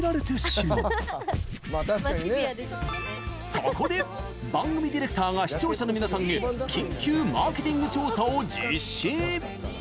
そこで、番組ディレクターが視聴者の皆さんへ緊急マーケティング調査を実施。